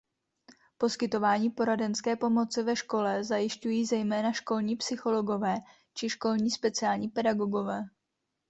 Poskytování poradenské pomoci ve škole zajišťují zejména školní psychologové či školní speciální pedagogové.